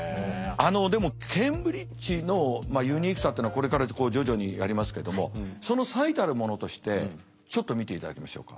あのでもケンブリッジのユニークさっていうのはこれから徐々にやりますけどもその最たるものとしてちょっと見ていただきましょうか？